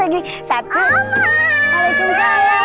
aduh sayangnya allah